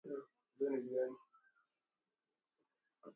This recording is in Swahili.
twa nordin selumani kwa moyo uliyo na bashasha tele